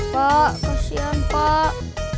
pak kasihan pak